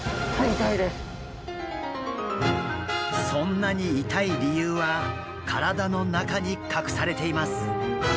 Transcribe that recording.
そんなに痛い理由は体の中に隠されています。